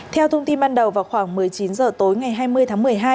theo thông tin ban đầu vào khoảng một mươi chín h tối ngày hai mươi tháng một mươi hai